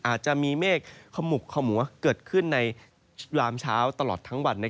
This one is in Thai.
อาจจะมีเมฆขมุกขมัวเกิดขึ้นในลามเช้าตลอดทั้งวัน